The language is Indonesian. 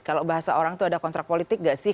kalau bahasa orang itu ada kontrak politik gak sih